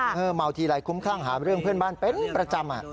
เมาทีไรคุ้มคลั่งหาเรื่องเพื่อนบ้านเป็นประจำ